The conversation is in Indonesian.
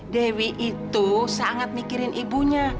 dewi itu sangat mikirin ibunya